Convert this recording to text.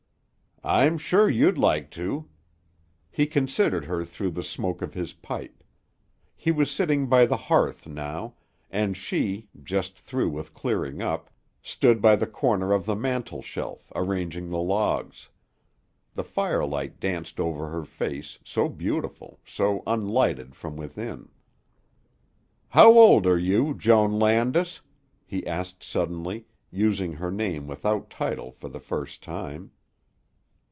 "I'm sure you'd like to." He considered her through the smoke of his pipe. He was sitting by the hearth now, and she, just through with clearing up, stood by the corner of the mantel shelf, arranging the logs. The firelight danced over her face, so beautiful, so unlighted from within. "How old are you, Joan Landis?" he asked suddenly, using her name without title for the first time.